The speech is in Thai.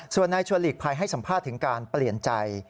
ส่วนนายชวนหลีกภัยให้สัมภาษณ์ถึงการเปลี่ยนใจ